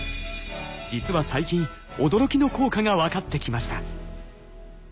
実は最近驚きの効果が分かってきました。